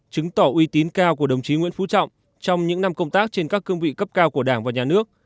chứng tỏ uy tín cao của đồng chí nguyễn phú trọng trong những năm công tác trên các cương vị cấp cao của đảng và nhà nước